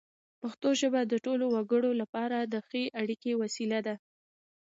پښتو ژبه د ټولو وګړو لپاره د ښې اړیکې وسیله ده.